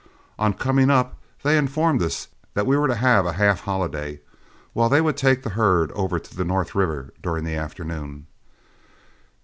On coming up, they informed us that we were to have a half holiday, while they would take the herd over to the North River during the afternoon.